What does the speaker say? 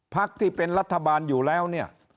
ภักที่เป็นรัฐบาลอยู่แล้วเนี่ย